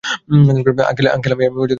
Uncle আমি, অনেক বড় বড় স্বপ্ন দেখেছি।